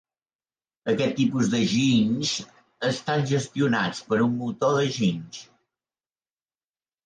Aquests tipus de ginys estan gestionats per un motor de ginys.